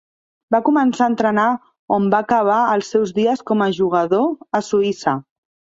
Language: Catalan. Va començar a entrenar on va acabar els seus dies com a jugador, a Suïssa.